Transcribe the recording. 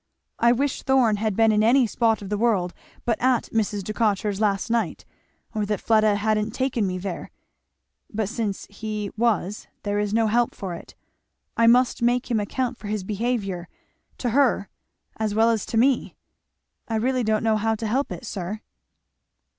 I wish Thorn had been in any spot of the world but at Mrs. Decatur's last night, or that Fleda hadn't taken me there; but since he was, there is no help for it, I must make him account for his behaviour, to her as well as to me. I really don't know how to help it, sir."